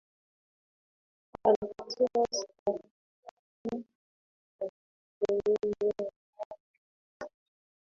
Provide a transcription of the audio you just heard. Alipatiwa stakabadhi ya malipo yenye nambari mia moja